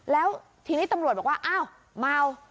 แล้วทีนี้ตำรวจบอกว่าอ้าวเมา